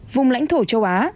vùng lãnh thổ châu á